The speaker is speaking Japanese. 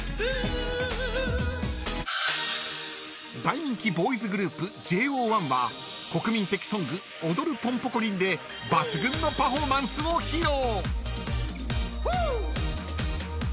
［大人気ボーイズグループＪＯ１は国民的ソング『おどるポンポコリン』で抜群のパフォーマンスを披露］